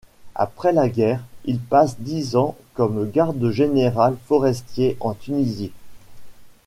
Après la guerre, il passe dix ans comme garde général forestier en Tunisie.